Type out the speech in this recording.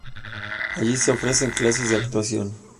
Allí se ofrecen clases de actuación.